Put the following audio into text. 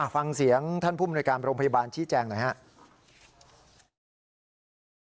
ฟังเสียงท่านผู้มนุยการโรงพยาบาลชี้แจงหน่อยครับ